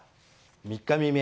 ３日未明